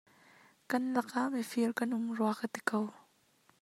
Kan lakah mifir kan um rua ka ti ko.